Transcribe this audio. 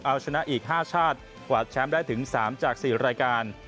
เอาชนะอีก๕ชาติกวาดแชมป์ได้ถึง๓จาก๔รายการ